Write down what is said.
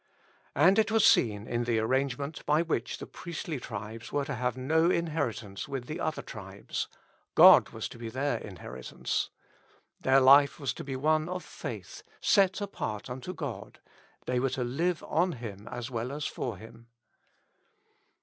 And it was seen in the arrange ment by which the priestly tribes w^ere to have no inheritance with the other tribes ; God was to be their inheritance. Their life was to be one of faith : set^ apart unto God, they were to live on Him as well as for Him.